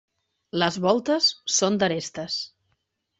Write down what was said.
Les voltes són d'arestes.